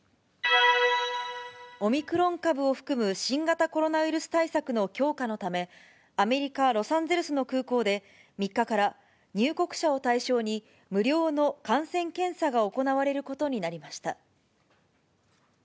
オミクロン株を含む新型コロナウイルス対策の強化のため、アメリカ・ロサンゼルスの空港で、３日から入国者を対象に無料の感染検査が行われることになりました。